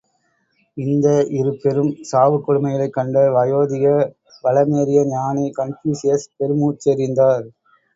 ◯ இந்த இரு பெரும் சாவுக் கொடுமைகளைக் கண்ட வயோதிக வளமேறிய ஞானி கன்பூசியஸ் பெருமூச்செறிந்தார்!